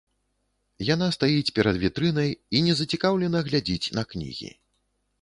Яна стаіць перад вітрынай і незацікаўлена глядзіць на кнігі.